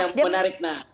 ini yang menarik nah